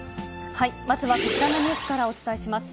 まずはこちらのニュースからお伝えします。